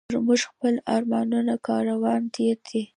پر موږ خپل د ارمانونو کاروان تېر دی